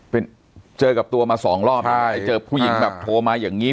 เป็นเจอกับตัวมาสองรอบใช่เจอผู้หญิงแบบโทรมาอย่างงี้